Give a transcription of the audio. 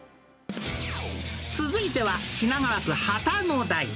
続いては品川区旗の台。